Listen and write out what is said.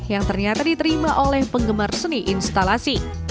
yang ternyata diterima oleh penggemar seni instalasi